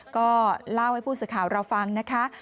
ก็เล่าให้ผู้สื่อข่าวเราฟังนะคะ